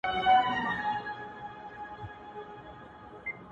• زه به په چیغو چیغو زړه درسره وژړوم -